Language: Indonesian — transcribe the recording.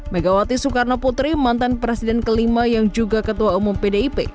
megawati soekarno putri mantan presiden kelima yang juga ketua umum pdip